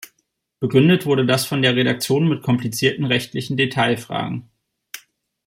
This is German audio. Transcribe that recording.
Begründet wurde das von der Redaktion mit „komplizierten rechtliche Detailfragen“.